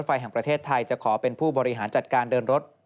โดยรฟทจะประชุมและปรับแผนให้สามารถเดินรถได้ทันในเดือนมิถุนายนปี๒๕๖๓